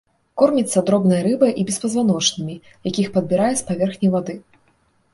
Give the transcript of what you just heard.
Корміцца дробнай рыбай і беспазваночнымі, якіх падбірае з паверхні вады.